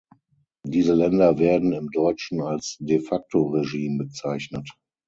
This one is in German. Diese Länder werden im Deutschen als De-facto-Regime bezeichnet.